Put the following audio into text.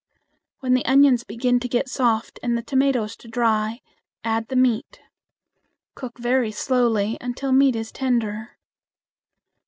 When the onions begin to get soft and the tomatoes to dry, add the meat. Cook very slowly until meat is tender.